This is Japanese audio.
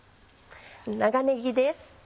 長ねぎです。